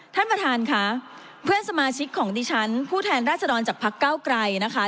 ท่านประธานค่ะเพื่อนสมาชิกของดิฉันผู้แทนราชดรจากพักเก้าไกรนะคะ